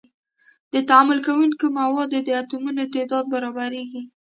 د تعامل کوونکو موادو د اتومونو تعداد برابریږي.